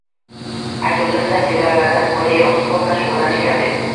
Aytuvdim-a, seriallardan foyda yoʻq, sport bilan shugʻullanish kerak deb.